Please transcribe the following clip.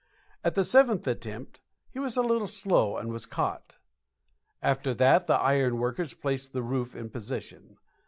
At the seventh attempt he was a little slow and was caught. After that the iron workers placed the roof in position.